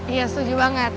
iya setuju banget